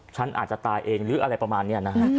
ฉันอาจจะตายเองหรืออะไรประมาณนี้นะฮะ